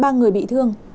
ba người bị thương